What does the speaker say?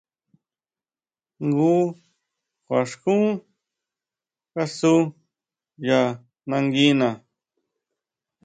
Njun kjua xkún kasu ya nanguina.